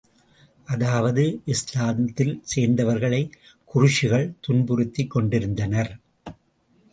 அதாவது, இஸ்லாத்தில் சேர்ந்தவர்களைக் குறைஷிகள் துன்புறுத்திக் கொண்டிருந்தனர்.